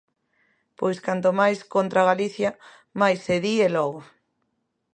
Pois canto máis contra Galicia, máis se di e logo.